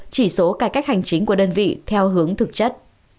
chỉ số cải cách hành chính của đơn vị theo hướng thực chất